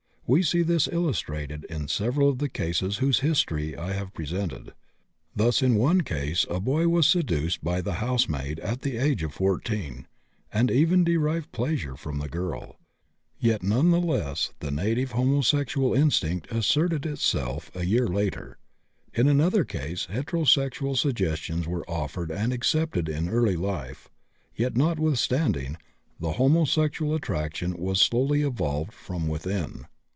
We see this illustrated in several of the cases whose histories I have presented. Thus in one case a boy was seduced by the housemaid at the age of 14 and even derived pleasure from the girl, yet none the less the native homosexual instinct asserted itself a year later. In another case heterosexual suggestions were offered and accepted in early life, yet, notwithstanding, the homosexual attraction was slowly evolved from within.